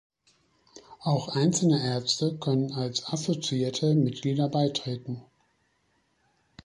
Auch einzelne Ärzte können als assoziierte Mitglieder beitreten.